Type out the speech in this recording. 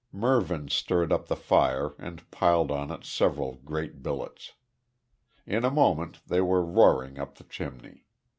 Mervyn stirred up the fire and piled on it several great billets. In a moment they were roaring up the chimney.